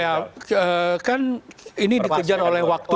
ya kan ini dikejar oleh waktu